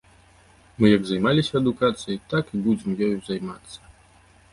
Мы як займаліся адукацыяй, так і будзем ёю займацца.